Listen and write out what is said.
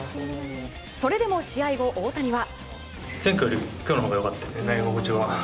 それでも試合後、大谷は。